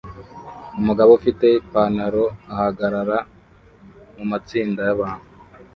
Umugabo ufite Ipanaro ahagarara mumatsinda yabantu